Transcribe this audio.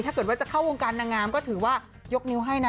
ถ้าเกิดว่าจะเข้าวงการนางงามก็ถือว่ายกนิ้วให้นะ